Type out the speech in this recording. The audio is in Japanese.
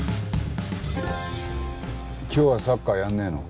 今日はサッカーやらねえの？